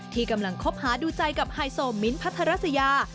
ที่กำลังคบหาดูใจกับไฮโซมิ้นทัศยา